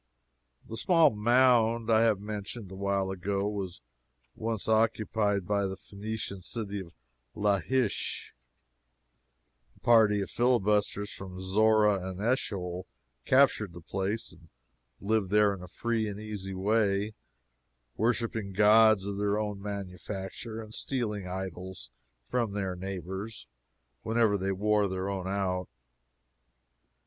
The small mound I have mentioned a while ago was once occupied by the Phenician city of Laish. A party of filibusters from Zorah and Eschol captured the place, and lived there in a free and easy way, worshiping gods of their own manufacture and stealing idols from their neighbors whenever they wore their own out.